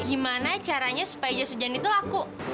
gimana caranya supaya jasa janji tuh laku